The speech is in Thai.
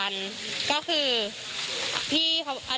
ไม่มีเรื่องนั้นแน่นอนแต่แค่ว่า